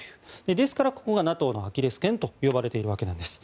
ですから、ここがＮＡＴＯのアキレス腱と呼ばれているわけなんです。